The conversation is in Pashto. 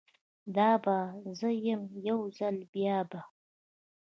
دا به زه یم، یوځل بیا به